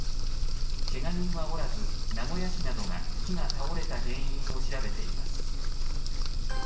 けが人はおらず、名古屋市などが、木が倒れた原因を調べています。